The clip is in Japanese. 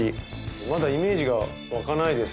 まだイメージが湧かないです。